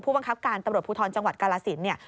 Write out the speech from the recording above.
ผู้บังคับการตำรวจภูทรจังหวัดกาลาศิลป์